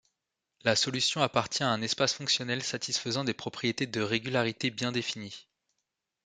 La solution appartient à un espace fonctionnel satisfaisant des propriétés de régularité bien définies.